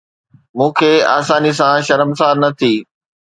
مون کي آساني سان شرمسار نه ٿي